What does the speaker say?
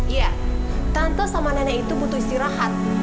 iya tante sama nenek itu butuh istirahat